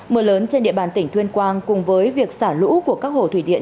mưa lớn trên địa bàn tỉnh tuyên quang cùng với việc xả lũ của các hồ thủy điện